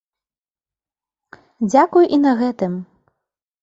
Дзякуй і на гэтым!